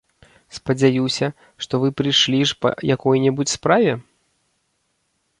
Спадзяюся, што вы прыйшлі ж па якой-небудзь справе?